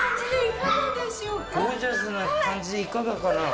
ゴージャスな感じでいかがかな？